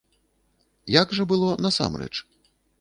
Як жа было насамрэч?